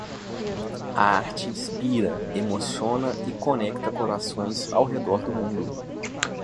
A arte inspira, emociona e conecta corações ao redor do mundo.